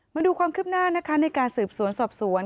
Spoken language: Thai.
มาดูความคืบหน้านะคะในการสืบสวนสอบสวน